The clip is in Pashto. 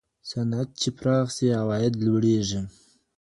صنعت چي پراخ سي عوايد لوړېږي.